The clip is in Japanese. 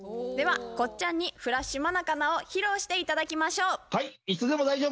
ではこっちゃんにフラッシュマナカナを披露して頂きましょう。